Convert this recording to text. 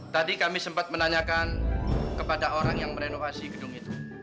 tadi kami sempat menanyakan kepada orang yang merenovasi gedung itu